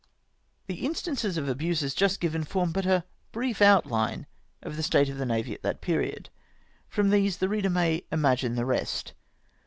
The instances of abuses just given form but a brief outline of the state of the Navy at that period. From these the reader may imagine the rest.